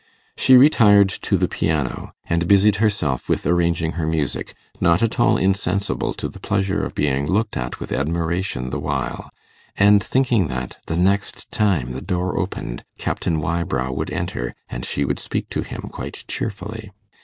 She retired to the piano, and busied herself with arranging her music, not at all insensible to the pleasure of being looked at with admiration the while, and thinking that, the next time the door opened, Captain Wybrow would enter, and she would speak to him quite cheerfully.